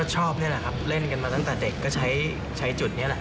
ชอบนี่แหละครับเล่นกันมาตั้งแต่เด็กก็ใช้จุดนี้แหละ